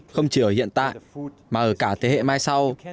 không chỉ ở hiện tại mà ở cả thế hệ mai sau